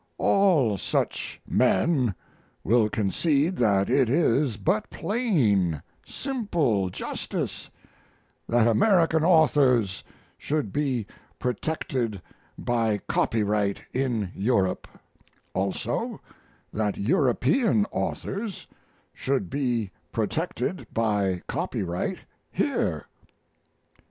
All such men will concede that it is but plain, simple justice that American authors should be protected by copyright in Europe; also, that European authors should be protected by copyright here.